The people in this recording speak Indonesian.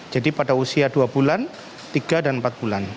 jadi pada usia dua bulan tiga dan empat bulan